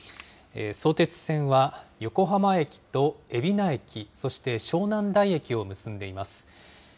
相鉄線は横浜駅と海老名駅、そして湘南台駅を結んでいます。